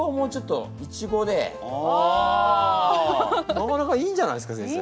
なかなかいいんじゃないすか先生？